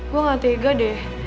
gue gak tega deh